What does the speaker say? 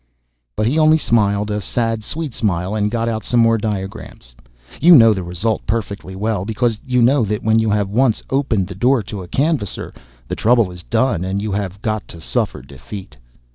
� But he only smiled a sad, sweet smile, and got out some more diagrams. You know the result perfectly well, because you know that when you have once opened the door to a canvasser, the trouble is done and you have got to suffer defeat.